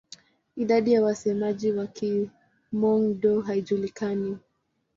Idadi ya wasemaji wa Kihmong-Dô haijulikani.